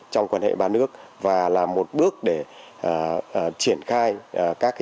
trong quan hệ ba nước và là một bước để triển khai các chỉ đoạn